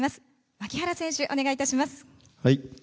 牧原選手、お願いいたします。